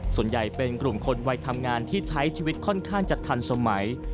ส่วนใหญ่เป็นกลุ่มคนวัยทำงานที่ใช้ชีวิตค่อนข้างจะทันสมัย